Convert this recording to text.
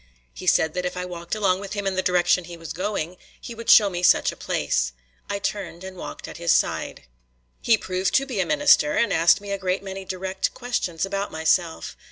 He said that if I walked along with him in the direction he was going, he would show me such a place: I turned and walked at his side. He proved to be a minister, and asked me a great many direct questions about myself.